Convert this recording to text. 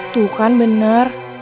tuh kan bener